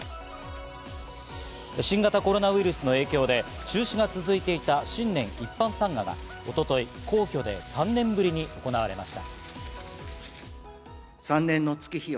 新型コロナウイルスの影響で中止が続いていた新年一般参賀が一昨日、皇居で３年ぶりに行われました。